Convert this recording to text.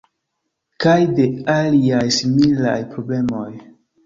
Kaj de aliaj similaj problemoj.